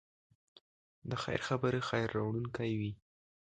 د خیر خبرې خیر راوړونکی وي.